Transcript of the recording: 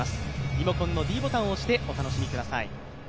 リモコンのｄボタンを押してお楽しみください。